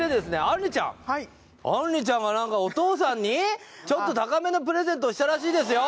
あんりちゃんあんりちゃんは何かお父さんにちょっと高めのプレゼントをしたらしいですよ